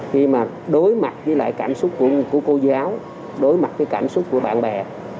khi mà đối mặt với lại cảm xúc của cô giáo đối mặt cái cảm xúc của bạn bè